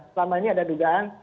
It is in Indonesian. selama ini ada dugaan